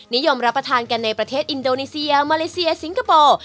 นิยมรับประทานกันในประเทศอินโดนีเซียมาเลเซียสิงคโปร์